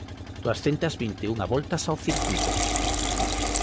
Duascentas vinte e unha voltas ao circuíto.